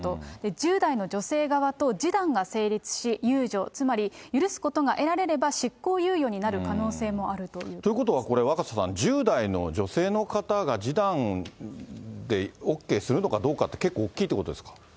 １０代の女性側と示談が成立し、宥恕、つまり許すことが得られれば執行猶予になる可能性もあるというこということは、これ、若狭さん、１０代の女性の方が示談でＯＫするのかどうかって、結構大きいということですか？